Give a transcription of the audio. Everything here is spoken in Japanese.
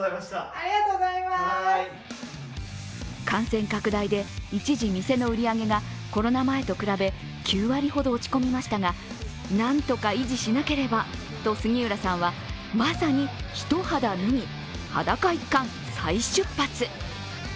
感染拡大で一時、店の売り上げがコロナ前と比べ９割ほど落ち込みましたが、何とか維持しなければと杉浦さんはまさに一肌脱ぎ裸一貫、再出発。